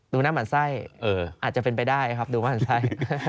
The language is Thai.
ดูหน้าหมั่นไส้อาจจะเป็นไปได้ครับดูหมั่นไส้